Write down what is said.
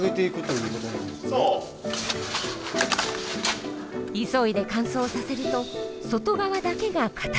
急いで乾燥させると外側だけが固くなってしまいます。